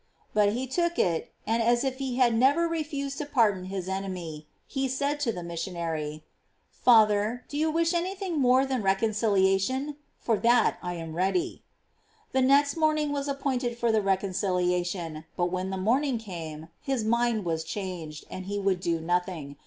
But he took it, and as if he had never refused to pardon his enemy, he said to the missionary, " Father, do you wish anything more than reconciliation? for that I am ready." The next morning was appointed for the reconcilia tion; but when the morning came, his mind was changed, and he would do nothing.